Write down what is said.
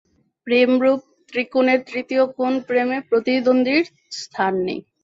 প্রেমরূপ ত্রিকোণের তৃতীয় কোণ প্রেমে প্রতিদ্বন্দ্বীর স্থান নাই।